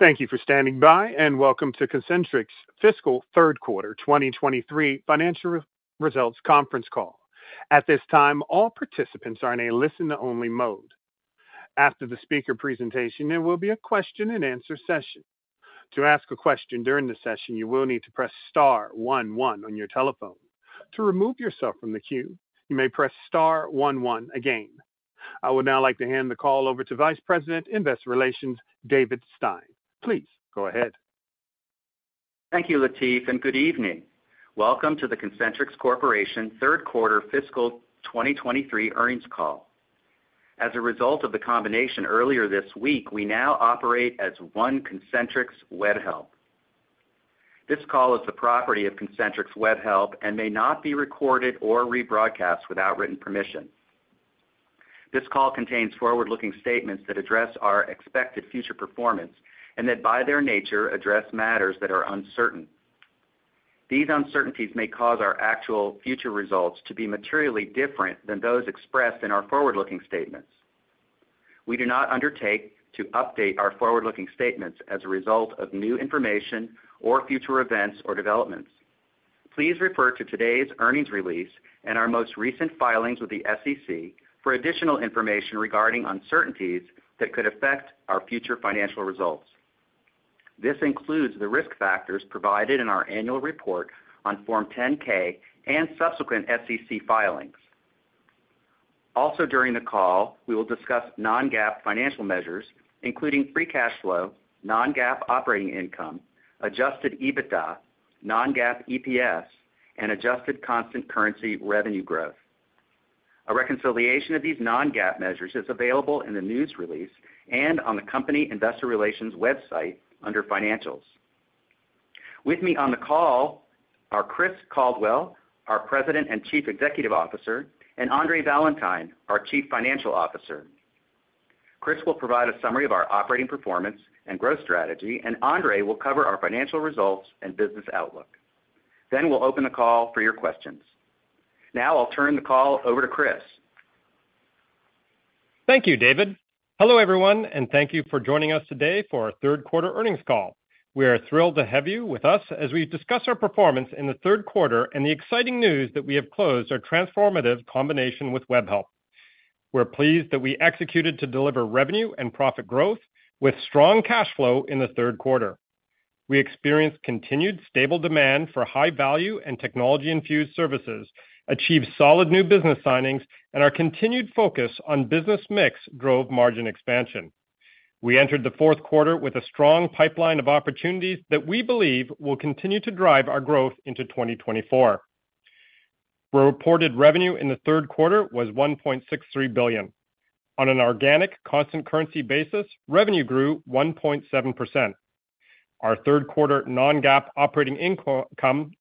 Thank you for standing by, and welcome to Concentrix Fiscal Q3 2023 Financial Results Conference Call. At this time, all participants are in a listen-only mode. After the speaker presentation, there will be a question-and-answer session. To ask a question during the session, you will need to press star one one on your telephone. To remove yourself from the queue, you may press star one one again. I would now like to hand the call over to Vice President, Investor Relations, David Stein. Please go ahead. Thank you, Latif, and good evening. Welcome to the Concentrix Corporation Q3 fiscal 2023 earnings call. As a result of the combination earlier this week, we now operate as One Concentrix Webhelp. This call is the property of Concentrix Webhelp and may not be recorded or rebroadcast without written permission. This call contains forward-looking statements that address our expected future performance and that, by their nature, address matters that are uncertain. These uncertainties may cause our actual future results to be materially different than those expressed in our forward-looking statements. We do not undertake to update our forward-looking statements as a result of new information or future events or developments. Please refer to today's earnings release and our most recent filings with the SEC for additional information regarding uncertainties that could affect our future financial results. This includes the risk factors provided in our annual report on Form 10-K and subsequent SEC filings. Also, during the call, we will discuss non-GAAP financial measures, including free cash flow, non-GAAP operating income, adjusted EBITDA, non-GAAP EPS, and adjusted constant currency revenue growth. A reconciliation of these non-GAAP measures is available in the news release and on the company investor relations website under Financials. With me on the call are Chris Caldwell, our President and Chief Executive Officer, and Andre Valentine, our Chief Financial Officer. Chris will provide a summary of our operating performance and growth strategy, and Andre will cover our financial results and business outlook. Then we'll open the call for your questions. Now I'll turn the call over to Chris. Thank you, David. Hello, everyone, and thank you for joining us today for our Q3 earnings call. We are thrilled to have you with us as we discuss our performance in the Q3 and the exciting news that we have closed our transformative combination with Webhelp. We're pleased that we executed to deliver revenue and profit growth with strong cash flow in the Q3. We experienced continued stable demand for high-value and technology-infused services, achieved solid new business signings, and our continued focus on business mix drove margin expansion. We entered the Q4 with a strong pipeline of opportunities that we believe will continue to drive our growth into 2024. The reported revenue in the Q3 was $1.63 billion. On an organic, constant currency basis, revenue grew 1.7%. Our Q3 non-GAAP operating income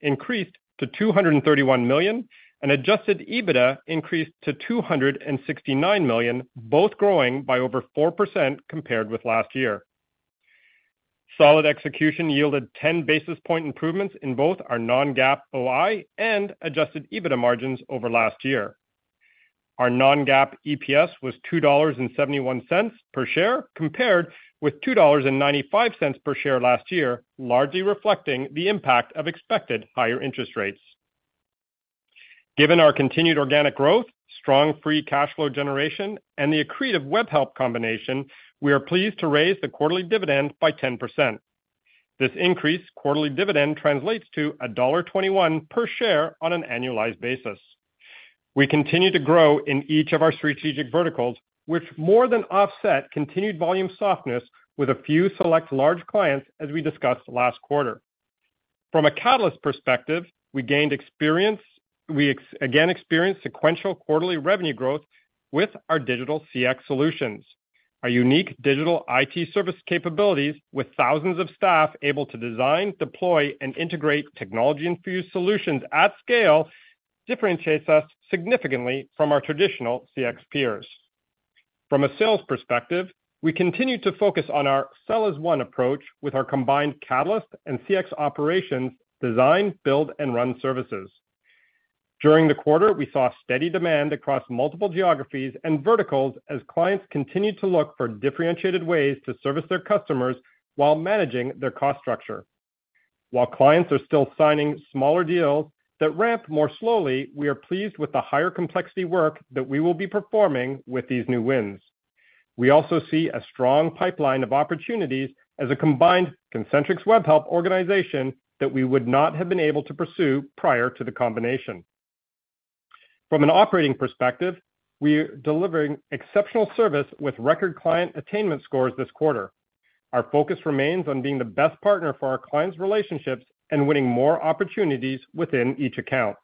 increased to $231 million, and adjusted EBITDA increased to $269 million, both growing by over 4% compared with last year. Solid execution yielded 10 basis points improvements in both our non-GAAP OI and adjusted EBITDA margins over last year. Our non-GAAP EPS was $2.71 per share, compared with $2.95 per share last year, largely reflecting the impact of expected higher interest rates. Given our continued organic growth, strong free cash flow generation, and the accretive Webhelp combination, we are pleased to raise the quarterly dividend by 10%. This increased quarterly dividend translates to $1.21 per share on an annualized basis. We continue to grow in each of our strategic verticals, which more than offset continued volume softness with a few select large clients, as we discussed last quarter. From a Catalyst perspective, we again experienced sequential quarterly revenue growth with our digital CX solutions. Our unique digital IT service capabilities, with thousands of staff able to design, deploy, and integrate technology-infused solutions at scale, differentiates us significantly from our traditional CX peers. From a sales perspective, we continue to focus on our sell-as-one approach with our combined Catalyst and CX operations design, build, and run services. During the quarter, we saw steady demand across multiple geographies and verticals as clients continued to look for differentiated ways to service their customers while managing their cost structure. While clients are still signing smaller deals that ramp more slowly, we are pleased with the higher complexity work that we will be performing with these new wins. We also see a strong pipeline of opportunities as a combined Concentrix Webhelp organization that we would not have been able to pursue prior to the combination. From an operating perspective, we are delivering exceptional service with record client attainment scores this quarter. Our focus remains on being the best partner for our clients' relationships and winning more opportunities within each account.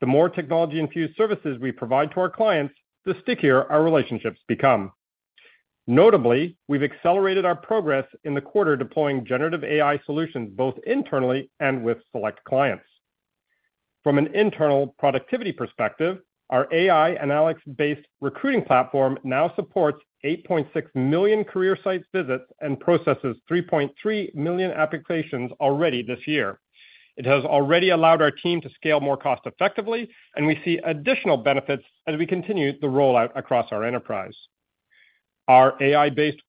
The more technology-infused services we provide to our clients, the stickier our relationships become. Notably, we've accelerated our progress in the quarter, deploying generative AI solutions both internally and with select clients. From an internal productivity perspective, our AI analytics-based recruiting platform now supports 8.6 million career site visits and processes 3.3 million applications already this year. It has already allowed our team to scale more cost-effectively, and we see additional benefits as we continue the rollout across our enterprise. Our AI-based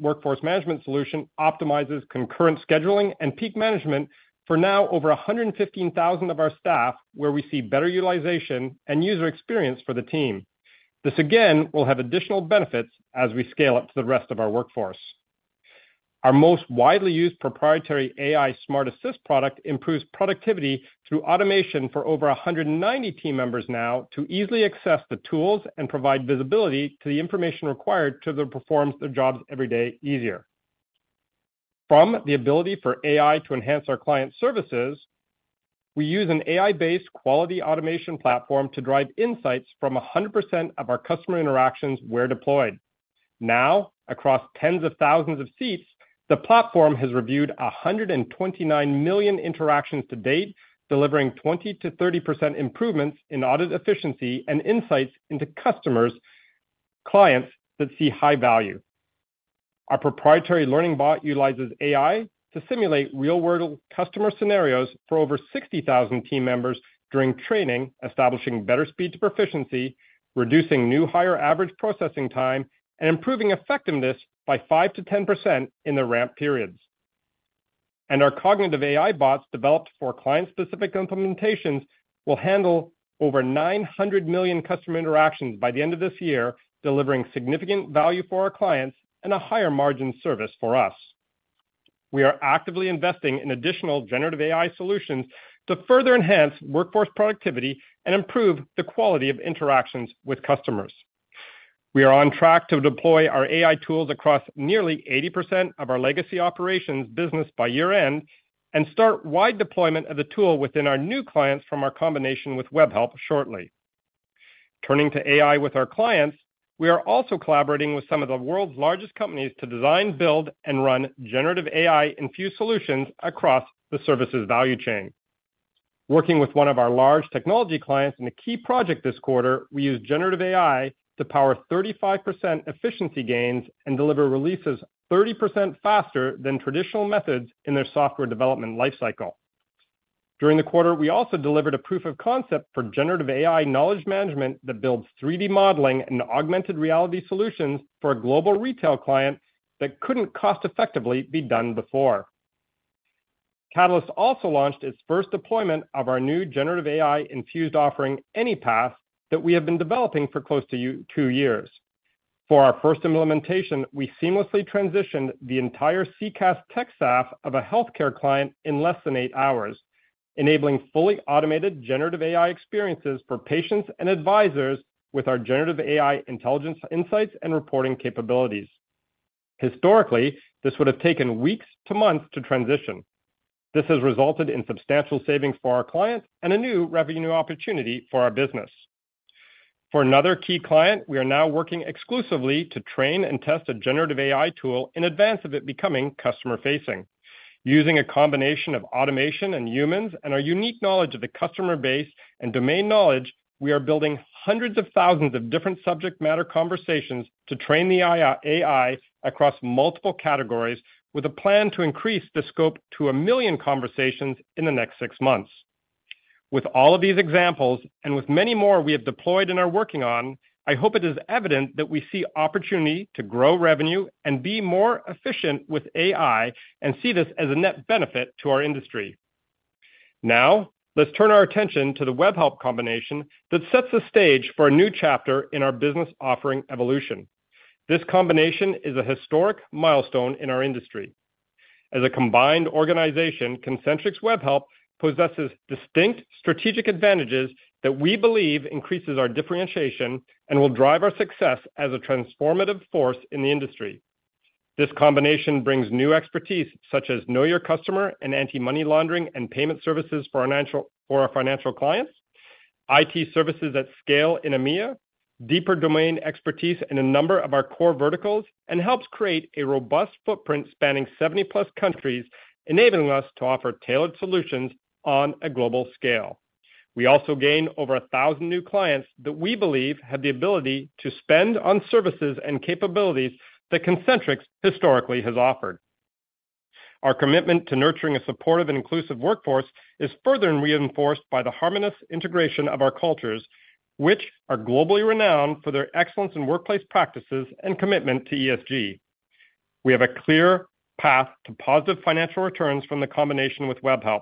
workforce management solution optimizes concurrent scheduling and peak management for now over 115,000 of our staff, where we see better utilization and user experience for the team. This again will have additional benefits as we scale up to the rest of our workforce. Our most widely used proprietary AI SmartAssist product improves productivity through automation for over 190 team members now to easily access the tools and provide visibility to the information required to perform their jobs every day easier. From the ability for AI to enhance our client services, we use an AI-based quality automation platform to drive insights from 100% of our customer interactions where deployed. Now, across tens of thousands of seats, the platform has reviewed 129 million interactions to date, delivering 20%-30% improvements in audit efficiency and insights into customers, clients that see high value. Our proprietary learning bot utilizes AI to simulate real-world customer scenarios for over 60,000 team members during training, establishing better speed to proficiency, reducing new higher average processing time, and improving effectiveness by 5%-10% in their ramp periods. Our cognitive AI bots, developed for client-specific implementations, will handle over 900 million customer interactions by the end of this year, delivering significant value for our clients and a higher margin service for us. We are actively investing in additional generative AI solutions to further enhance workforce productivity and improve the quality of interactions with customers. We are on track to deploy our AI tools across nearly 80% of our legacy operations business by year-end, and start wide deployment of the tool within our new clients from our combination with Webhelp shortly. Turning to AI with our clients, we are also collaborating with some of the world's largest companies to design, build, and run generative AI-infused solutions across the services value chain. Working with one of our large technology clients in a key project this quarter, we used generative AI to power 35% efficiency gains and deliver releases 30% faster than traditional methods in their software development life cycle. During the quarter, we also delivered a proof of concept for Generative AI knowledge management that builds 3D Modeling and Augmented Reality solutions for a global retail client that couldn't cost-effectively be done before. Catalyst also launched its first deployment of our new Generative AI-infused offering, Anypath, that we have been developing for close to 2 years. For our first implementation, we seamlessly transitioned the entire CCaaS tech staff of a healthcare client in less than 8 hours, enabling fully automated Generative AI experiences for patients and advisors with our Generative AI intelligence, insights, and reporting capabilities. Historically, this would have taken weeks to months to transition. This has resulted in substantial savings for our clients and a new revenue opportunity for our business. For another key client, we are now working exclusively to train and test a Generative AI tool in advance of it becoming customer-facing. Using a combination of automation and humans and our unique knowledge of the customer base and domain knowledge, we are building hundreds of thousands of different subject matter conversations to train our AI across multiple categories, with a plan to increase the scope to 1 million conversations in the next six months. With all of these examples, and with many more we have deployed and are working on, I hope it is evident that we see opportunity to grow revenue and be more efficient with AI and see this as a net benefit to our industry. Now, let's turn our attention to the Webhelp combination that sets the stage for a new chapter in our business offering evolution. This combination is a historic milestone in our industry. As a combined organization, Concentrix + Webhelp possesses distinct strategic advantages that we believe increases our differentiation and will drive our success as a transformative force in the industry. This combination brings new expertise, such as Know Your Customer and Anti-Money Laundering and payment services for our financial clients, IT services at scale in EMEA, deeper domain expertise in a number of our core verticals, and helps create a robust footprint spanning 70-plus countries, enabling us to offer tailored solutions on a global scale. We also gain over 1,000 new clients that we believe have the ability to spend on services and capabilities that Concentrix historically has offered. Our commitment to nurturing a supportive and inclusive workforce is further reinforced by the harmonious integration of our cultures, which are globally renowned for their excellence in workplace practices and commitment to ESG. We have a clear path to positive financial returns from the combination with Webhelp.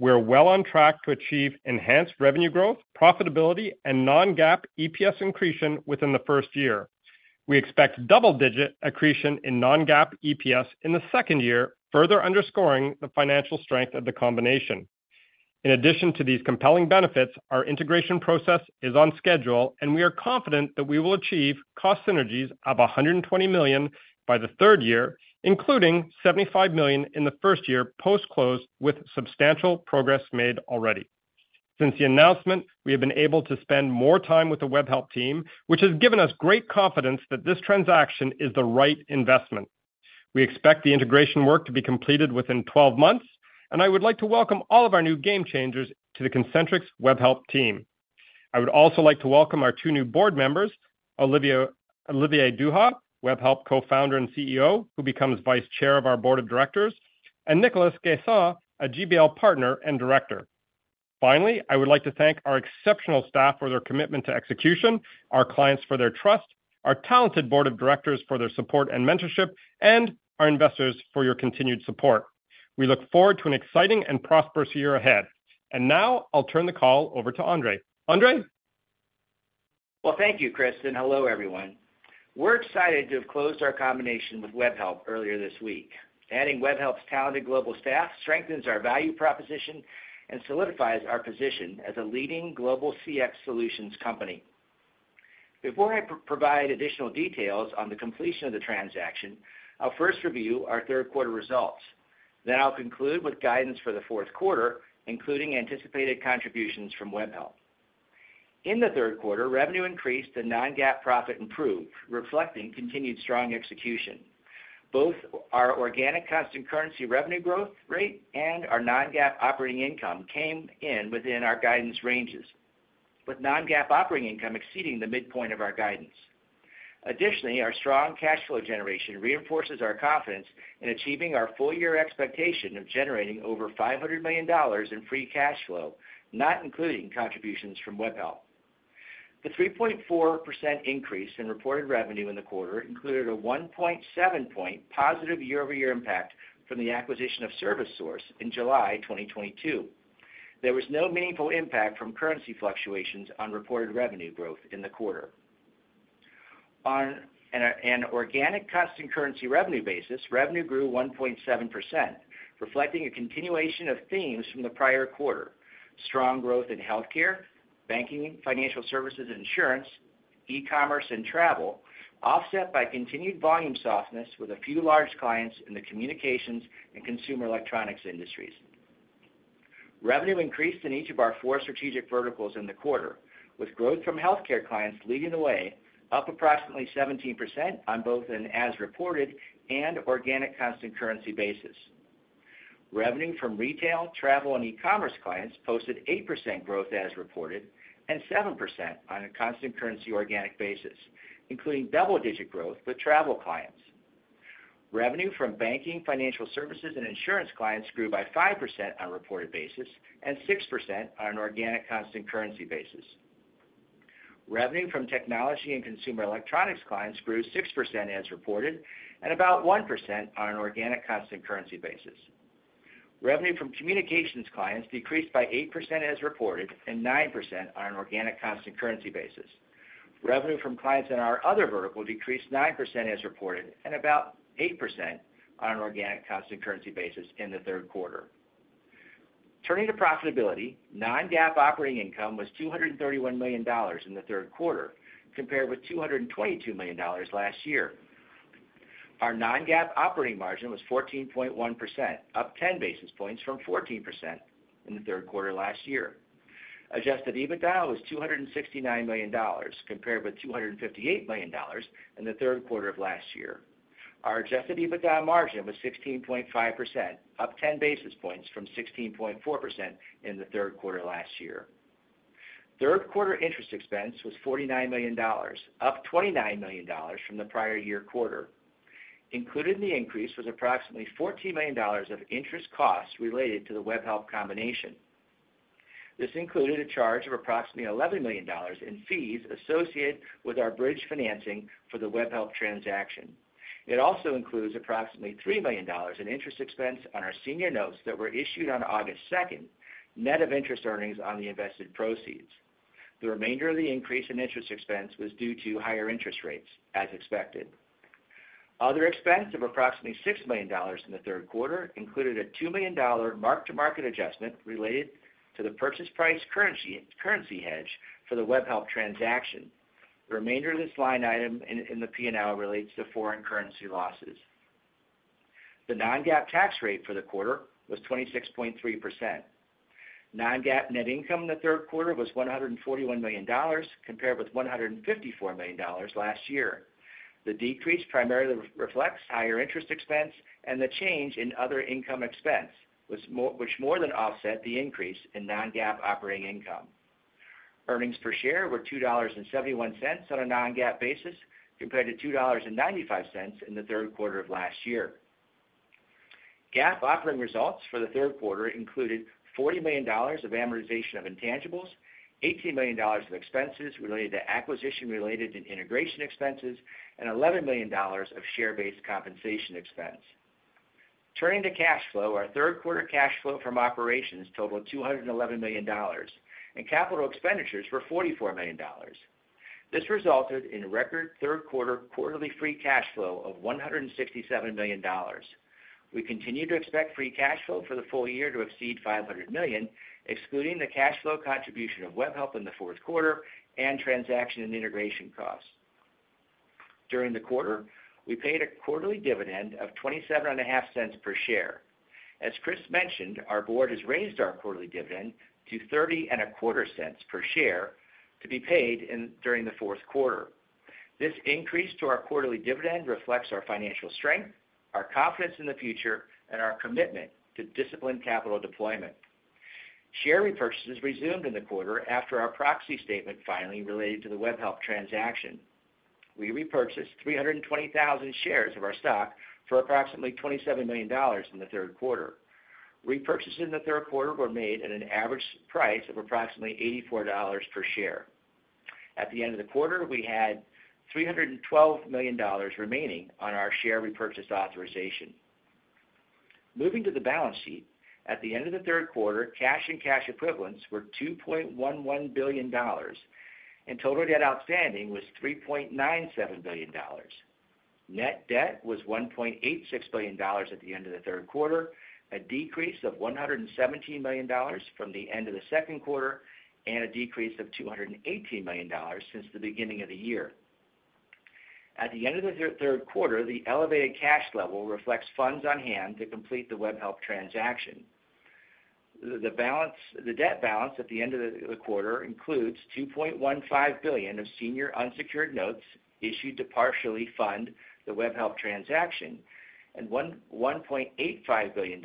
We are well on track to achieve enhanced revenue growth, profitability, and Non-GAAP EPS accretion within the first year. We expect double-digit accretion in Non-GAAP EPS in the second year, further underscoring the financial strength of the combination. In addition to these compelling benefits, our integration process is on schedule, and we are confident that we will achieve cost synergies of $120 million by the third year, including $75 million in the first year post-close, with substantial progress made already. Since the announcement, we have been able to spend more time with the Webhelp team, which has given us great confidence that this transaction is the right investment. We expect the integration work to be completed within 12 months, and I would like to welcome all of our new game changers to the Concentrix Webhelp team. I would also like to welcome our 2 new board members, Olivier, Olivier Duha, Webhelp co-founder and CEO, who becomes vice chair of our board of directors, and Nicolas Gheysens, a GBL partner and director. Finally, I would like to thank our exceptional staff for their commitment to execution, our clients for their trust, our talented board of directors for their support and mentorship, and our investors for your continued support. We look forward to an exciting and prosperous year ahead. Now I'll turn the call over to Andre. Andre? Well, thank you, Chris, and hello, everyone. We're excited to have closed our combination with Webhelp earlier this week. Adding Webhelp's talented global staff strengthens our value proposition and solidifies our position as a leading global CX solutions company. Before I provide additional details on the completion of the transaction, I'll first review our Q3 results. Then I'll conclude with guidance for the Q4, including anticipated contributions from Webhelp. In the Q3, revenue increased and non-GAAP profit improved, reflecting continued strong execution. Both our organic constant currency revenue growth rate and our non-GAAP operating income came in within our guidance ranges, with non-GAAP operating income exceeding the midpoint of our guidance. Additionally, our strong cash flow generation reinforces our confidence in achieving our full year expectation of generating over $500 million in free cash flow, not including contributions from Webhelp. The 3.4% increase in reported revenue in the quarter included a 1.7 point positive year-over-year impact from the acquisition of ServiceSource in July 2022. There was no meaningful impact from currency fluctuations on reported revenue growth in the quarter. On an organic constant currency revenue basis, revenue grew 1.7%, reflecting a continuation of themes from the prior quarter: strong growth in healthcare, banking, financial services and insurance, e-commerce and travel, offset by continued volume softness with a few large clients in the communications and consumer electronics industries. Revenue increased in each of our four strategic verticals in the quarter, with growth from healthcare clients leading the way, up approximately 17% on both an as-reported and organic constant currency basis. Revenue from retail, travel, and e-commerce clients posted 8% growth as reported and 7% on a constant currency organic basis, including double-digit growth with travel clients. Revenue from banking, financial services, and insurance clients grew by 5% on a reported basis and 6% on an organic constant currency basis. Revenue from technology and consumer electronics clients grew 6% as reported and about 1% on an organic constant currency basis. Revenue from communications clients decreased by 8% as reported and 9% on an organic constant currency basis. Revenue from clients in our other vertical decreased 9% as reported and about 8% on an organic constant currency basis in the Q3. Turning to profitability, non-GAAP operating income was $231 million in the Q3, compared with $222 million last year. Our Non-GAAP operating margin was 14.1%, up 10 basis points from 14% in the Q3 last year. Adjusted EBITDA was $269 million, compared with $258 million in the Q3 of last year. Our adjusted EBITDA margin was 16.5%, up 10 basis points from 16.4% in the Q3 last year. Q3 interest expense was $49 million, up $29 million from the prior year quarter. Included in the increase was approximately $14 million of interest costs related to the Webhelp combination. This included a charge of approximately $11 million in fees associated with our bridge financing for the Webhelp transaction. It also includes approximately $3 million in interest expense on our senior notes that were issued on August second, net of interest earnings on the invested proceeds. The remainder of the increase in interest expense was due to higher interest rates, as expected. Other expense of approximately $6 million in the Q3 included a $2 million mark-to-market adjustment related to the purchase price currency, currency hedge for the Webhelp transaction. The remainder of this line item in the P&L relates to foreign currency losses. The non-GAAP tax rate for the quarter was 26.3%. Non-GAAP net income in the Q3 was $141 million, compared with $154 million last year. The decrease primarily reflects higher interest expense and the change in other income expense, which more than offset the increase in Non-GAAP operating income. Earnings per share were $2.71 on a Non-GAAP basis, compared to $2.95 in the Q3 of last year. GAAP operating results for the Q3 included $40 million of amortization of intangibles, $18 million of expenses related to acquisition-related and integration expenses, and $11 million of share-based compensation expense. Turning to cash flow, our Q3 cash flow from operations totaled $211 million, and capital expenditures were $44 million. This resulted in record Q3 quarterly free cash flow of $167 million. We continue to expect free cash flow for the full year to exceed $500 million, excluding the cash flow contribution of Webhelp in the Q4 and transaction and integration costs. During the quarter, we paid a quarterly dividend of $0.275 per share. As Chris mentioned, our board has raised our quarterly dividend to $0.3025 per share to be paid during the Q4. This increase to our quarterly dividend reflects our financial strength, our confidence in the future, and our commitment to disciplined capital deployment. Share repurchases resumed in the quarter after our proxy statement filing related to the Webhelp transaction. We repurchased 320,000 shares of our stock for approximately $27 million in the Q3. Repurchases in the Q3 were made at an average price of approximately $84 per share. At the end of the quarter, we had $312 million remaining on our share repurchase authorization. Moving to the balance sheet. At the end of the Q3, cash and cash equivalents were $2.11 billion, and total debt outstanding was $3.97 billion. Net debt was $1.86 billion at the end of the Q3, a decrease of $117 million from the end of the Q2, and a decrease of $218 million since the beginning of the year. At the end of the Q3, the elevated cash level reflects funds on hand to complete the Webhelp transaction. The debt balance at the end of the quarter includes $2.15 billion of senior unsecured notes issued to partially fund the Webhelp transaction, and $1.85 billion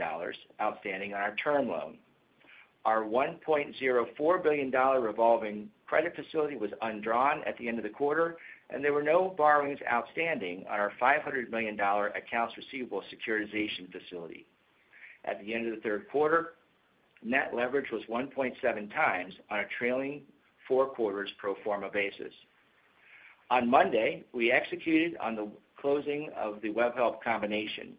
outstanding on our term loan. Our $1.04 billion revolving credit facility was undrawn at the end of the quarter, and there were no borrowings outstanding on our $500 million accounts receivable securitization facility. At the end of the Q3, net leverage was 1.7x on a trailing four quarters pro forma basis. On Monday, we executed on the closing of the Webhelp combination.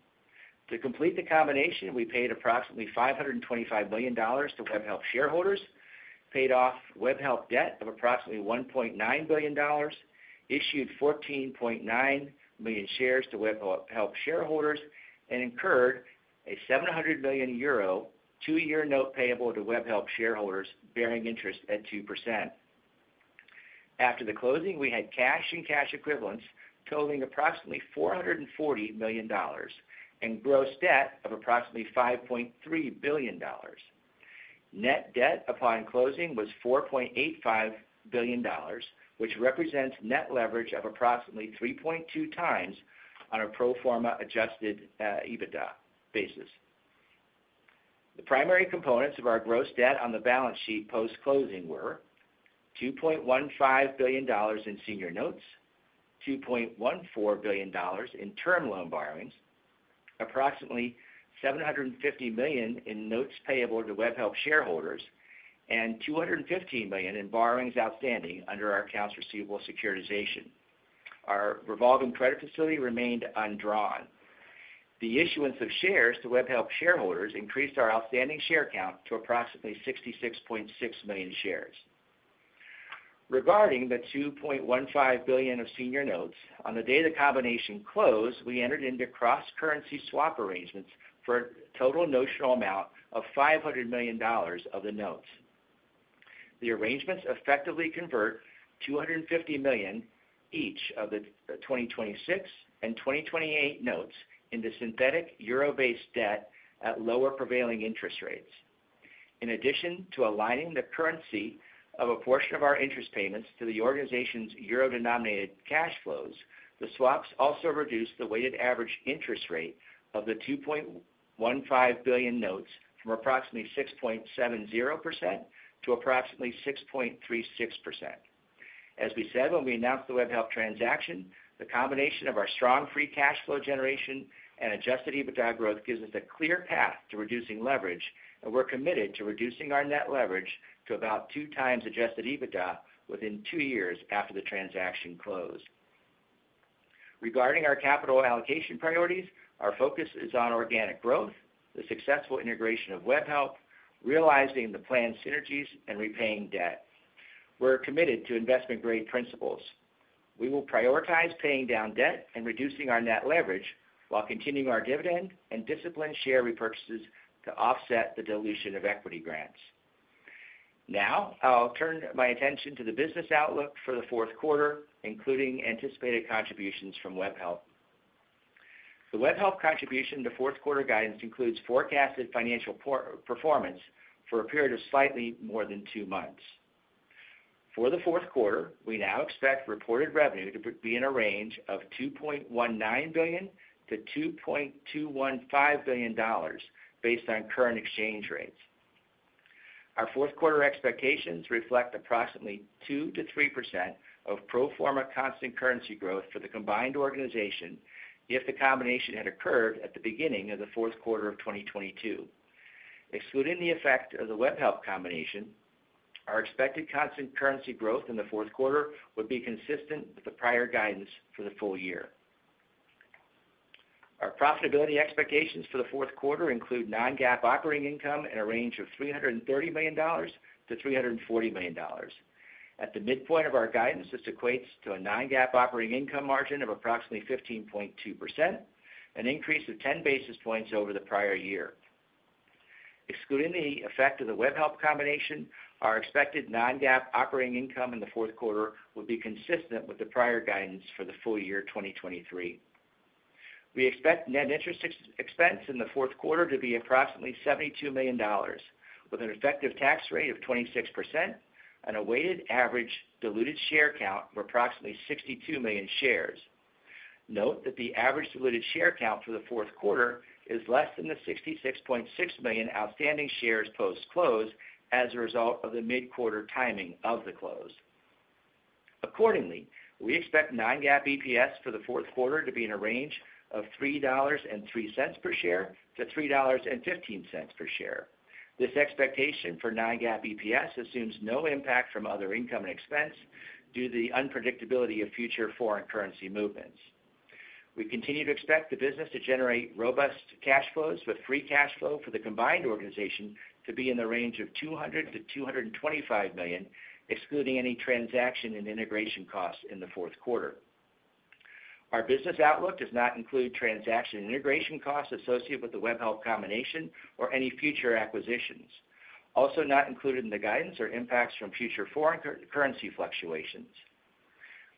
To complete the combination, we paid approximately $525 million to Webhelp shareholders, paid off Webhelp debt of approximately $1.9 billion, issued 14.9 million shares to Webhelp shareholders, and incurred a 700 million euro two-year note payable to Webhelp shareholders bearing interest at 2%. After the closing, we had cash and cash equivalents totaling approximately $440 million and gross debt of approximately $5.3 billion. Net debt upon closing was $4.85 billion, which represents net leverage of approximately 3.2x on a pro forma adjusted EBITDA basis. The primary components of our gross debt on the balance sheet post-closing were $2.15 billion in senior notes, $2.14 billion in term loan borrowings, approximately $750 million in notes payable to Webhelp shareholders, and $215 million in borrowings outstanding under our accounts receivable securitization. Our revolving credit facility remained undrawn. The issuance of shares to Webhelp shareholders increased our outstanding share count to approximately 66.6 million shares. Regarding the $2.15 billion of senior notes, on the day the combination closed, we entered into cross-currency swap arrangements for a total notional amount of $500 million of the notes. The arrangements effectively convert $250 million each of the 2026 and 2028 notes into synthetic euro-based debt at lower prevailing interest rates. In addition to aligning the currency of a portion of our interest payments to the organization's euro-denominated cash flows, the swaps also reduced the weighted average interest rate of the $2.15 billion notes from approximately 6.70% to approximately 6.36%. As we said when we announced the Webhelp transaction, the combination of our strong Free Cash Flow generation and Adjusted EBITDA growth gives us a clear path to reducing leverage, and we're committed to reducing our Net Leverage to about 2x Adjusted EBITDA within 2 years after the transaction closed. Regarding our capital allocation priorities, our focus is on organic growth, the successful integration of Webhelp, realizing the planned synergies, and repaying debt. We're committed to investment-grade principles. We will prioritize paying down debt and reducing our net leverage, while continuing our dividend and disciplined share repurchases to offset the dilution of equity grants. Now, I'll turn my attention to the business outlook for the Q4, including anticipated contributions from Webhelp. The Webhelp contribution to Q4 guidance includes forecasted financial performance for a period of slightly more than two months. For the Q4, we now expect reported revenue to be in a range of $2.19 billion-$2.215 billion based on current exchange rates. Our Q4 expectations reflect approximately 2%-3% of pro forma constant currency growth for the combined organization if the combination had occurred at the beginning of the Q4 of 2022. Excluding the effect of the Webhelp combination, our expected constant currency growth in the Q4 would be consistent with the prior guidance for the full year. Our profitability expectations for the Q4 include non-GAAP operating income in a range of $330 million-$340 million. At the midpoint of our guidance, this equates to a non-GAAP operating income margin of approximately 15.2%, an increase of 10 basis points over the prior year. Excluding the effect of the Webhelp combination, our expected non-GAAP operating income in the Q4 will be consistent with the prior guidance for the full year 2023. We expect net interest expense in the Q4 to be approximately $72 million, with an effective tax rate of 26% and a weighted average diluted share count of approximately 62 million shares. Note that the average diluted share count for the Q4 is less than the 66.6 million outstanding shares post-close as a result of the mid-quarter timing of the close. Accordingly, we expect non-GAAP EPS for the Q4 to be in a range of $3.03-$3.15 per share. This expectation for non-GAAP EPS assumes no impact from other income and expense due to the unpredictability of future foreign currency movements. We continue to expect the business to generate robust cash flows, with free cash flow for the combined organization to be in the range of $200 million-$225 million, excluding any transaction and integration costs in the Q4. Our business outlook does not include transaction integration costs associated with the Webhelp combination or any future acquisitions. Also not included in the guidance are impacts from future foreign currency fluctuations.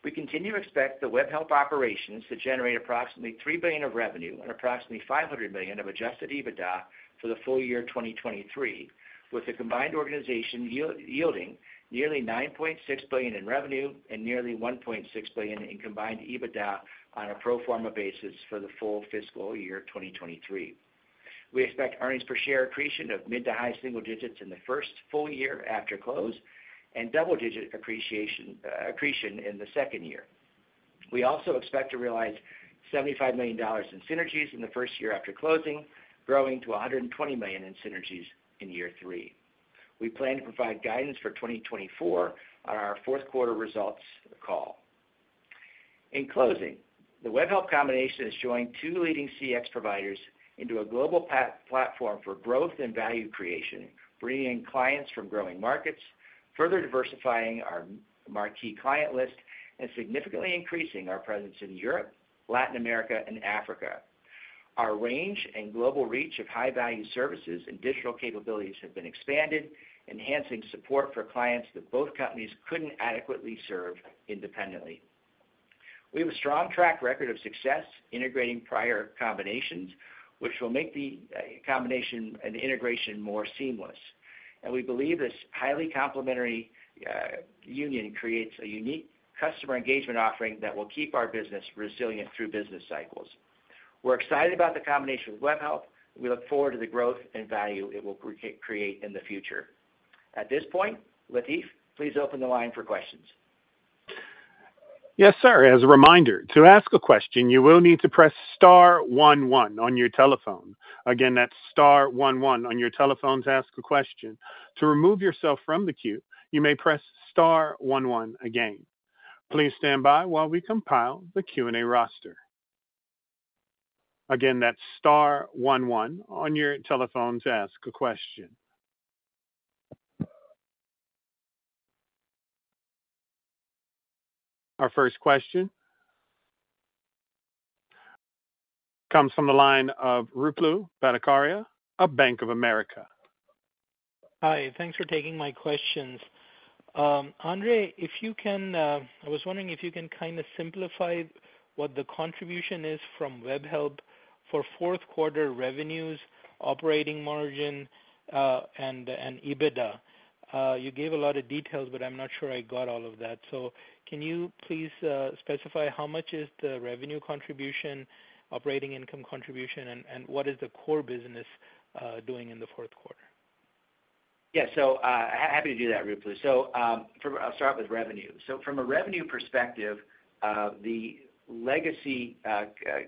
We continue to expect the Webhelp operations to generate approximately $3 billion of revenue and approximately $500 million of Adjusted EBITDA for the full year 2023, with the combined organization yielding nearly $9.6 billion in revenue and nearly $1.6 billion in combined EBITDA on a pro forma basis for the full fiscal year 2023. We expect earnings per share accretion of mid- to high-single digits in the first full year after close, and double-digit appreciation, accretion in the second year. We also expect to realize $75 million in synergies in the first year after closing, growing to $120 million in synergies in year three. We plan to provide guidance for 2024 on our Q4 results call. In closing, the Webhelp combination is joining two leading CX providers into a global platform for growth and value creation, bringing in clients from growing markets, further diversifying our marquee client list, and significantly increasing our presence in Europe, Latin America, and Africa. Our range and global reach of high-value services and digital capabilities have been expanded, enhancing support for clients that both companies couldn't adequately serve independently. We have a strong track record of success integrating prior combinations, which will make the combination and integration more seamless. And we believe this highly complementary union creates a unique customer engagement offering that will keep our business resilient through business cycles. We're excited about the combination with Webhelp. We look forward to the growth and value it will create in the future. At this point, Latif, please open the line for questions. Yes, sir. As a reminder, to ask a question, you will need to press star one one on your telephone. Again, that's star one one on your telephone to ask a question. To remove yourself from the queue, you may press star one one again. Please stand by while we compile the Q&A roster. Again, that's star one one on your telephone to ask a question. Our first question comes from the line of Ruplu Bhattacharya, of Bank of America. Hi, thanks for taking my questions. Andre, if you can, I was wondering if you can kind of simplify what the contribution is from Webhelp for Q4 revenues, operating margin, and EBITDA. You gave a lot of details, but I'm not sure I got all of that. So can you please specify how much is the revenue contribution, operating income contribution, and what is the core business doing in the Q4? Yeah. So, happy to do that, Ruplu. So, I'll start with revenue. So from a revenue perspective, the legacy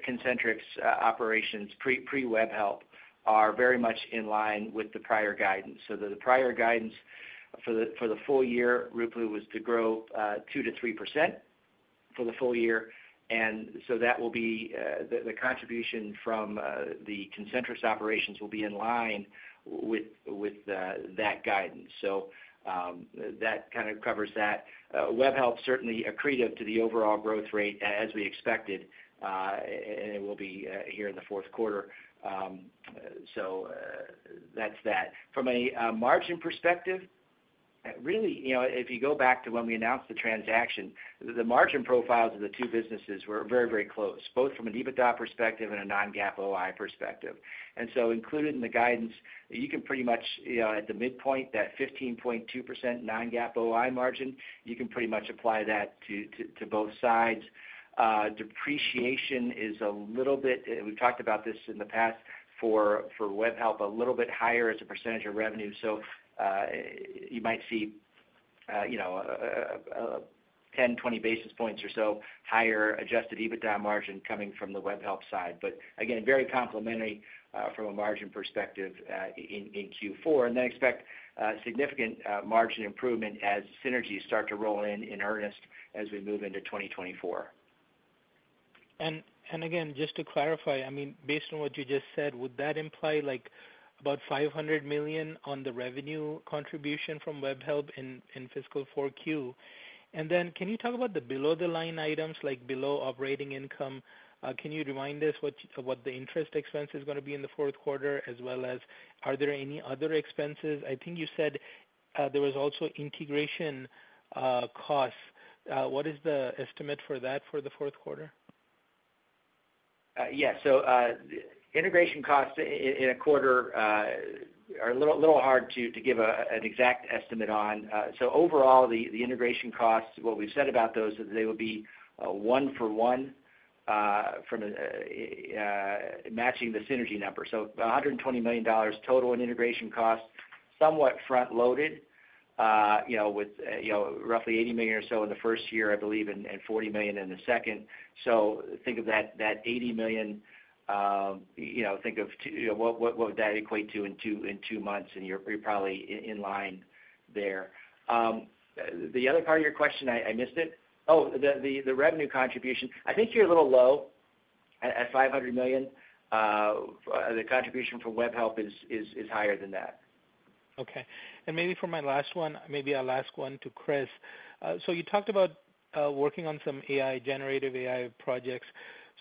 Concentrix operations, pre-Webhelp, are very much in line with the prior guidance. So the prior guidance for the full year, Ruplu, was to grow 2%-3% for the full year, and so that will be the contribution from the Concentrix operations will be in line with that guidance. So, that kind of covers that. Webhelp certainly accretive to the overall growth rate, as we expected, and it will be here in the Q4. So, that's that. From a margin perspective, really, you know, if you go back to when we announced the transaction, the margin profiles of the two businesses were very, very close, both from an EBITDA perspective and a non-GAAP OI perspective. And so included in the guidance, you can pretty much, you know, at the midpoint, that 15.2% non-GAAP OI margin, you can pretty much apply that to both sides. Depreciation is a little bit, we've talked about this in the past, for Webhelp, a little bit higher as a percentage of revenue. So, you might see, you know, 10, 20 basis points or so higher adjusted EBITDA margin coming from the Webhelp side. But again, very complementary, from a margin perspective, in Q4. And then expect significant margin improvement as synergies start to roll in in earnest as we move into 2024. And again, just to clarify, I mean, based on what you just said, would that imply like about $500 million on the revenue contribution from Webhelp in fiscal 4Q? And then, can you talk about the below-the-line items, like below operating income? Can you remind us what the interest expense is gonna be in the Q4, as well as are there any other expenses? I think you said there was also integration costs. What is the estimate for that for the Q4? Yeah, so integration costs in a quarter are a little hard to give an exact estimate on. So overall, the integration costs, what we've said about those, is they will be one for one from a matching the synergy number. So $120 million total in integration costs, somewhat front-loaded, you know, with you know, roughly $80 million or so in the first year, I believe, and $40 million in the second. So think of that $80 million, you know, think of what would that equate to in two months, and you're probably in line there. The other part of your question, I missed it. Oh, the revenue contribution. I think you're a little low at $500 million. The contribution from Webhelp is higher than that. Okay. And maybe for my last one, maybe our last one to Chris. So you talked about working on some AI, generative AI projects.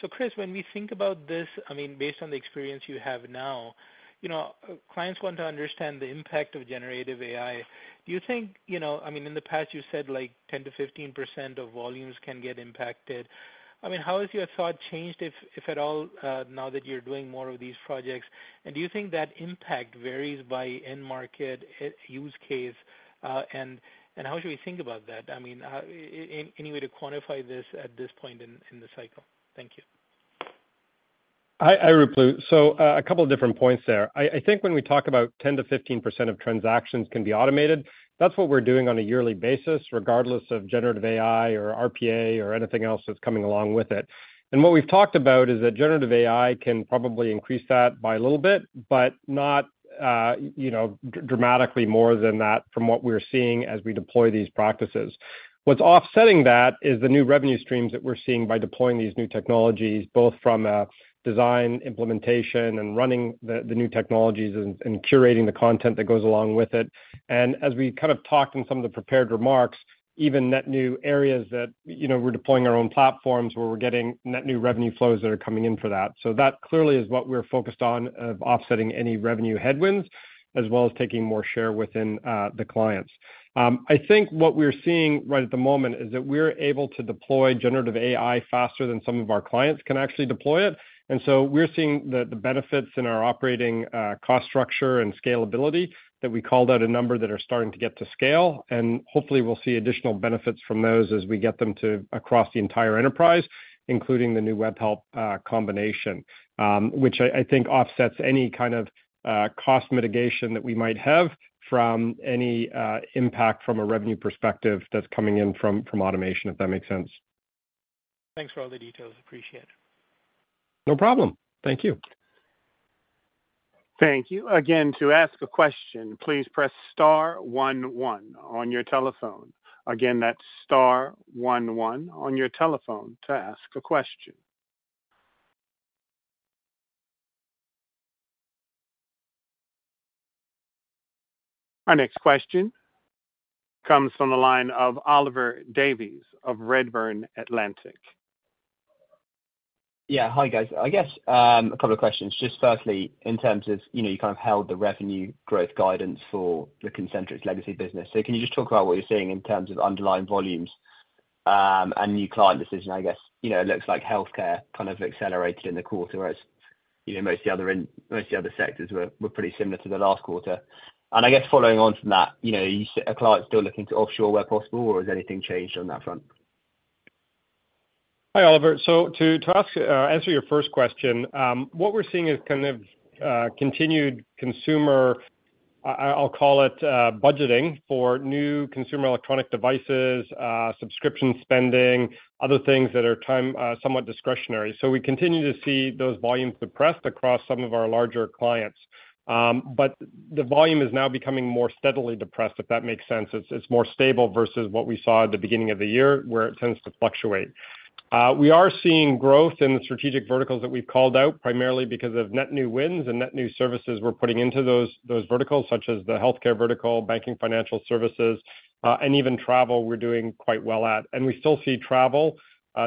So Chris, when we think about this, I mean, based on the experience you have now, you know, clients want to understand the impact of generative AI. Do you think, you know? I mean, in the past, you said, like, 10%-15% of volumes can get impacted. I mean, how has your thought changed, if, if at all, now that you're doing more of these projects? And do you think that impact varies by end market, use case? And how should we think about that? I mean, how any way to quantify this at this point in the cycle? Thank you. I will, Ruplu. So, a couple of different points there. I think when we talk about 10%-15% of transactions can be automated, that's what we're doing on a yearly basis, regardless of Generative AI or RPA or anything else that's coming along with it. And what we've talked about is that Generative AI can probably increase that by a little bit, but not, you know, dramatically more than that from what we're seeing as we deploy these practices. What's offsetting that is the new revenue streams that we're seeing by deploying these new technologies, both from a design, implementation and running the new technologies and curating the content that goes along with it. And as we kind of talked in some of the prepared remarks, even net new areas that, you know, we're deploying our own platforms, where we're getting net new revenue flows that are coming in for that. So that clearly is what we're focused on, of offsetting any revenue headwinds, as well as taking more share within the clients. I think what we're seeing right at the moment is that we're able to deploy Generative AI faster than some of our clients can actually deploy it. And so we're seeing the benefits in our operating cost structure and scalability, that we called out a number that are starting to get to scale, and hopefully we'll see additional benefits from those as we get them to... across the entire enterprise, including the new Webhelp combination, which I, I think offsets any kind of cost mitigation that we might have from any impact from a revenue perspective that's coming in from automation, if that makes sense. Thanks for all the details. Appreciate it. No problem. Thank you. Thank you. Again, to ask a question, please press star one one on your telephone. Again, that's star one one on your telephone to ask a question. Our next question comes from the line of Oliver Davies of Redburn Atlantic. Yeah. Hi, guys. I guess a couple of questions. Just firstly, in terms of, you know, you kind of held the revenue growth guidance for the Concentrix legacy business. So can you just talk about what you're seeing in terms of underlying volumes and new client decision, I guess? You know, it looks like healthcare kind of accelerated in the quarter, whereas, you know, most of the other sectors were pretty similar to the last quarter. And I guess following on from that, you know, are clients still looking to offshore where possible, or has anything changed on that front? Hi, Oliver. So to answer your first question, what we're seeing is kind of continued consumer, I’ll call it, budgeting for new consumer electronic devices, subscription spending, other things that are time, somewhat discretionary. So we continue to see those volumes depressed across some of our larger clients. But the volume is now becoming more steadily depressed, if that makes sense. It's more stable versus what we saw at the beginning of the year, where it tends to fluctuate. We are seeing growth in the strategic verticals that we've called out, primarily because of net new wins and net new services we're putting into those verticals, such as the healthcare vertical, banking, financial services, and even travel, we're doing quite well at. And we still see travel,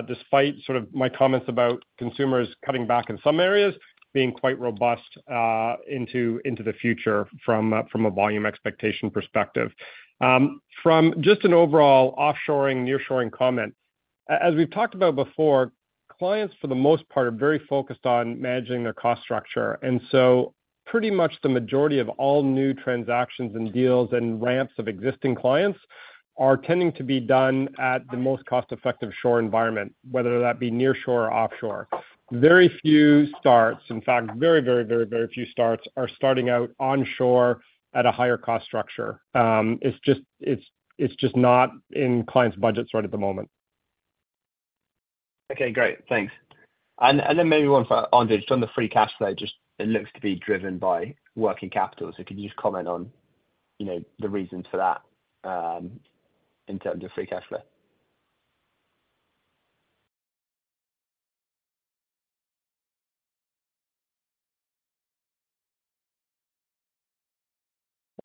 despite sort of my comments about consumers cutting back in some areas, being quite robust, into the future from a volume expectation perspective. From just an overall offshoring, nearshoring comment, as we've talked about before, clients, for the most part, are very focused on managing their cost structure. And so pretty much the majority of all new transactions and deals and ramps of existing clients are tending to be done at the most cost-effective shore environment, whether that be nearshore or offshore. Very few starts, in fact, very, very, very, very few starts are starting out onshore at a higher cost structure. It's just, it's, it's just not in clients' budgets right at the moment. Okay, great. Thanks. And then maybe one for Andre. Just on the Free Cash Flow, just it looks to be driven by working capital. So could you just comment on, you know, the reason for that in terms of Free Cash Flow?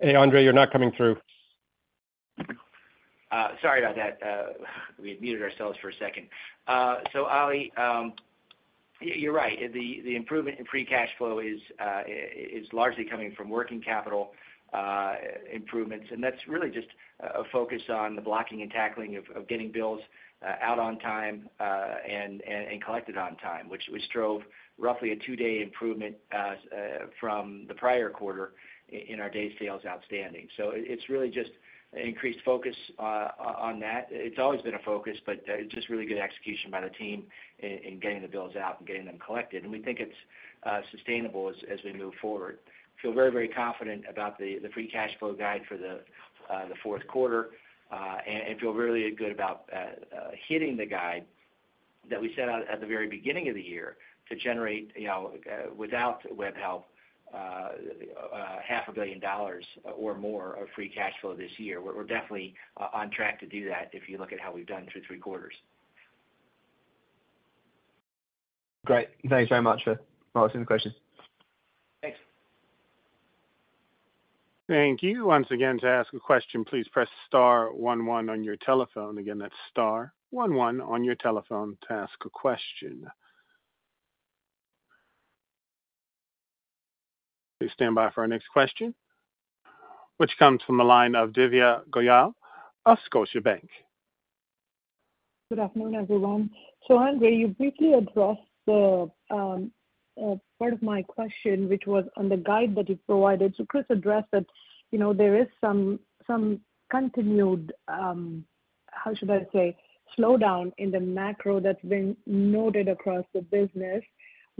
Hey, Andre, you're not coming through.... Sorry about that. We had muted ourselves for a second. So Ollie, you're right. The improvement in free cash flow is largely coming from working capital improvements, and that's really just a focus on the blocking and tackling of getting bills out on time and collected on time, which drove roughly a two-day improvement from the prior quarter in our day sales outstanding. So it's really just an increased focus on that. It's always been a focus, but it's just really good execution by the team in getting the bills out and getting them collected. And we think it's sustainable as we move forward. Feel very, very confident about the free cash flow guide for the Q4, and feel really good about hitting the guide that we set out at the very beginning of the year to generate, you know, without Webhelp, $500 million or more of Free Cash flow this year. We're definitely on track to do that if you look at how we've done through three quarters. Great. Thanks very much for answering the question. Thanks. Thank you. Once again, to ask a question, please press star one one on your telephone. Again, that's star one one on your telephone to ask a question. Please stand by for our next question, which comes from the line of Divya Goyal of Scotiabank. Good afternoon, everyone. So Andre, you briefly addressed the part of my question, which was on the guide that you provided. So Chris addressed that, you know, there is some continued, how should I say, slowdown in the macro that's been noted across the business.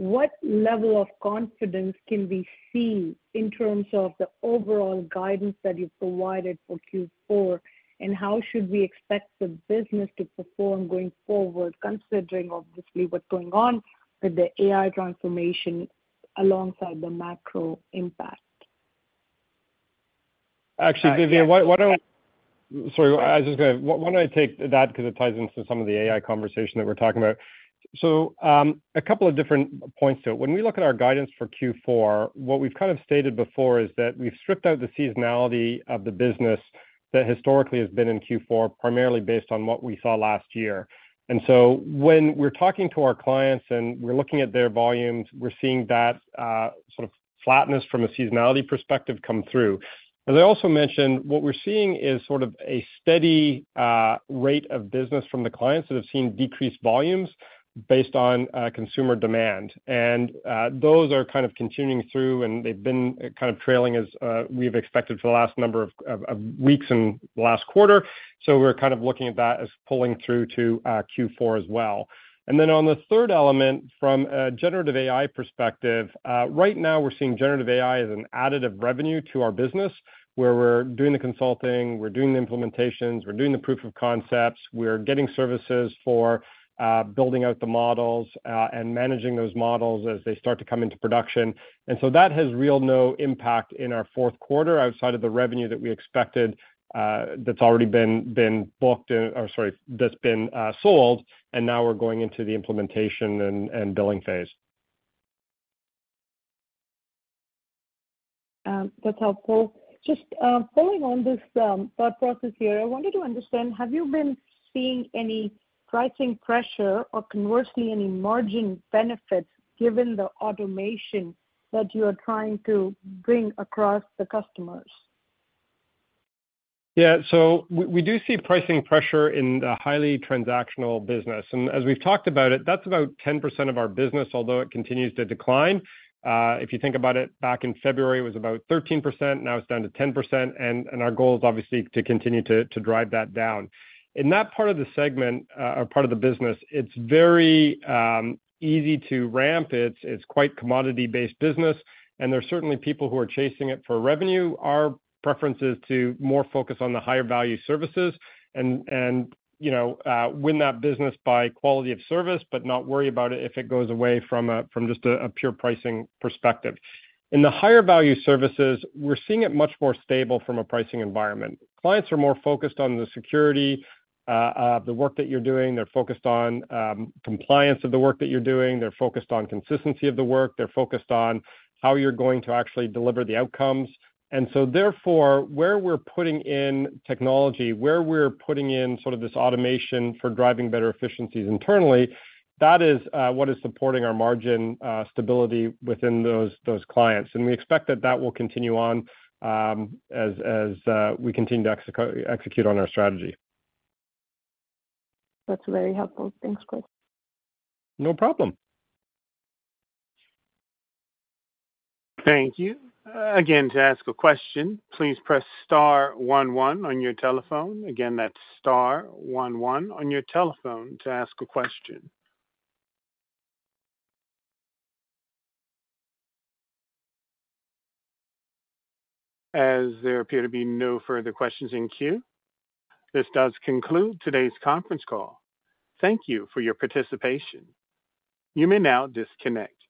What level of confidence can we see in terms of the overall guidance that you've provided for Q4? And how should we expect the business to perform going forward, considering obviously what's going on with the AI transformation alongside the macro impact? Actually, Divya, why, why don't... Sorry, I was just gonna... Why, why don't I take that? Because it ties into some of the AI conversation that we're talking about. So, a couple of different points to it. When we look at our guidance for Q4, what we've kind of stated before is that we've stripped out the seasonality of the business that historically has been in Q4, primarily based on what we saw last year. And so when we're talking to our clients, and we're looking at their volumes, we're seeing that sort of flatness from a seasonality perspective come through. As I also mentioned, what we're seeing is sort of a steady rate of business from the clients that have seen decreased volumes based on consumer demand. Those are kind of continuing through, and they've been kind of trailing as we've expected for the last number of weeks and last quarter. So we're kind of looking at that as pulling through to Q4 as well. And then on the third element, from a Generative AI perspective, right now we're seeing Generative AI as an additive revenue to our business, where we're doing the consulting, we're doing the implementations, we're doing the proof of concepts, we're getting services for building out the models, and managing those models as they start to come into production. And so that has real no impact in our Q4, outside of the revenue that we expected, that's already been booked in. Or sorry, that's been sold, and now we're going into the implementation and billing phase. That's helpful. Just, following on this, thought process here, I wanted to understand, have you been seeing any pricing pressure or conversely, any margin benefits, given the automation that you are trying to bring across the customers? Yeah. So we do see pricing pressure in the highly transactional business. And as we've talked about it, that's about 10% of our business, although it continues to decline. If you think about it, back in February, it was about 13%, now it's down to 10%, and our goal is obviously to continue to drive that down. In that part of the segment, or part of the business, it's very easy to ramp it. It's quite commodity-based business, and there are certainly people who are chasing it for revenue. Our preference is to more focus on the higher value services and, you know, win that business by quality of service, but not worry about it if it goes away from just a pure pricing perspective. In the higher value services, we're seeing it much more stable from a pricing environment. Clients are more focused on the security of the work that you're doing. They're focused on compliance of the work that you're doing. They're focused on consistency of the work. They're focused on how you're going to actually deliver the outcomes. And so therefore, where we're putting in technology, where we're putting in sort of this automation for driving better efficiencies internally, that is what is supporting our margin stability within those clients. And we expect that that will continue on as we continue to execute on our strategy. That's very helpful. Thanks, Chris. No problem. Thank you. Again, to ask a question, please press star one one on your telephone. Again, that's star one one on your telephone to ask a question. As there appear to be no further questions in queue, this does conclude today's conference call. Thank you for your participation. You may now disconnect.